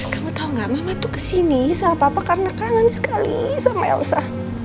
kamu tahu gak mama tuh kesini sama papa karena kangen sekali sama elsa